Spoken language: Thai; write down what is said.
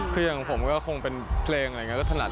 คืออย่างผมก็คงเป็นเพลงอะไรอย่างนี้ก็ถนัด